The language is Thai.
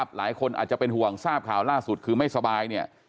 หลายคนอาจจะเป็นห่วงทราบข่าวล่าสุดคือไม่สบายเนี่ย